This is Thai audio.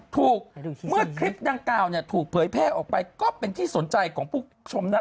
เมื่อคลิปดังกล่าวเนี่ยถูกเผยแพร่ออกไปก็เป็นที่สนใจของผู้ชมนะ